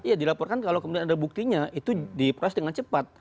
ya dilaporkan kalau kemudian ada buktinya itu diproses dengan cepat